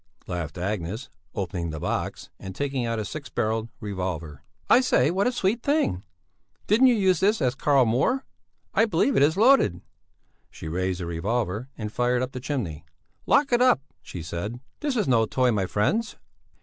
laughed Agnes, opening the box and taking out a six barrelled revolver. "I say, what a sweet thing! Didn't you use this as Carl Moor? I believe it is loaded." She raised the revolver and fired up the chimney. "Lock it up," she said, "this is no toy, my friends."